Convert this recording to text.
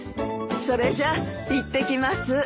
それじゃいってきます。